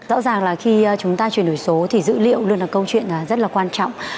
rõ ràng là khi chúng ta chuyển đổi số thì dữ liệu luôn là câu chuyện rất là quan trọng